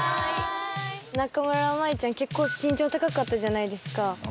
・中村舞ちゃん結構身長高かったじゃないですか？